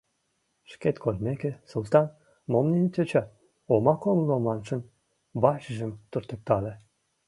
Шкет кодмеке, Султан, мом нине тӧчат, омак умыло маншын, вачыжым туртыктале.